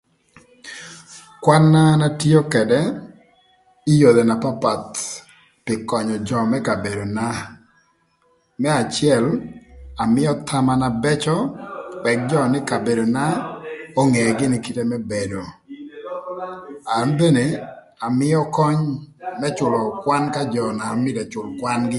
Kwan-na an atio këdë ï yodhi na papath pï könyö jö më kabedona, më acël amïö thama na bëcö ëk jö më kabedona onge gïnï kite më bedo, an bede amïö köny më cülö kwan ka jö na mïtö ëcül kwan-gï.